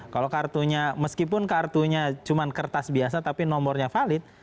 kalau kartunya meskipun kartunya cuma kertas biasa tapi nomornya valid